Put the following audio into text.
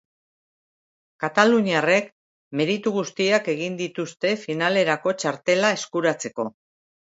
Kataluniarrek meritu guztiak egin dituzte finalerako txartela eskuratzeko.